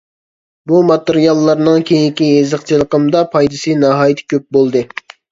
بۇ ماتېرىياللارنىڭ كېيىنكى يېزىقچىلىقىمدا پايدىسى ناھايىتى كۆپ بولدى.